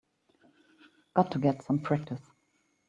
Got to get some practice.